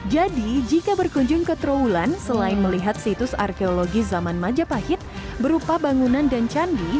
jadi jika berkunjung ke trawulan selain melihat situs arkeologi zaman majapahit berupa bangunan dan candi